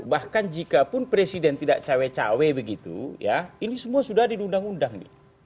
bahkan jikapun presiden tidak cawe cawe begitu ya ini semua sudah diundang undang nih